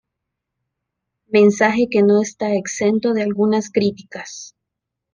Mensaje que no está exento de algunas críticas.